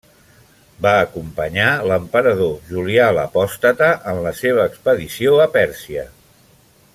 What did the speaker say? Va acompanyar l'emperador Julià l'Apòstata en la seva expedició a Pèrsia.